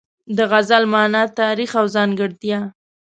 د غزل مانا، تاریخ او ځانګړتیا